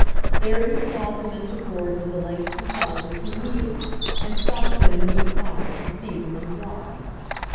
There he sawed them into boards of the lengths and sizes he needed and stocked them in neat piles to season and dry.